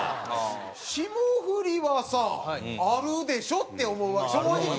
霜降りはさあるでしょって思うわけ正直ね。